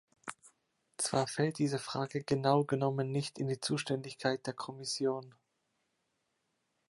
Zwar fällt diese Frage genau genommen nicht in die Zuständigkeit der Kommission.